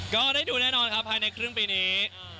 ก็ได้ดูแน่นอนครับภายในครึ่งปีนี้